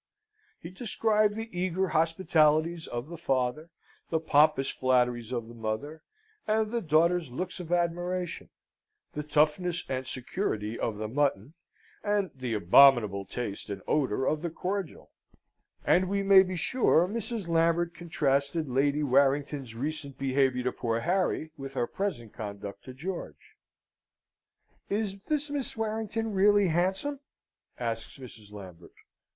He described the eager hospitalities of the father, the pompous flatteries of the mother, and the daughters' looks of admiration; the toughness and security of the mutton, and the abominable taste and odour of the cordial; and we may be sure Mrs. Lambert contrasted Lady Warrington's recent behaviour to poor Harry with her present conduct to George. "Is this Miss Warrington really handsome?" asks Mrs Lambent.